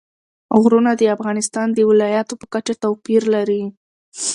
غرونه د افغانستان د ولایاتو په کچه توپیر لري.